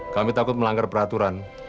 kami takut melanggar peraturan